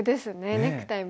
ネクタイも。